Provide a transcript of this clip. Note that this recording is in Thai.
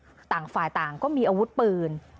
ก่อนจะพากันออกมาเคลียร์อย่างที่บอกเคลียร์ไม่ลงตัว